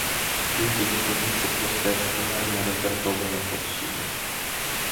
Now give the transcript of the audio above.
Він тоді повівся просто як химерний роздратований хлопчина.